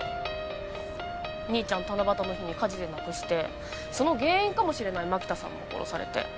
兄ちゃん七夕の日に火事で亡くしてその原因かもしれない槙田さんも殺されて。